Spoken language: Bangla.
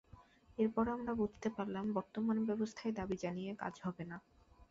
এরপর আমরা বুঝতে পারলাম, বর্তমান ব্যবস্থায় দাবি জানিয়ে কাজ হবে না।